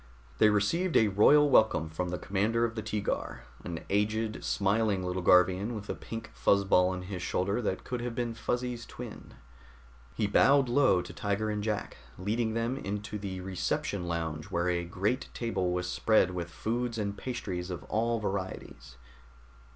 They received a royal welcome from the commander of the Teegar, an aged, smiling little Garvian with a pink fuzz ball on his shoulder that could have been Fuzzy's twin. He bowed low to Tiger and Jack, leading them into the reception lounge where a great table was spread with foods and pastries of all varieties.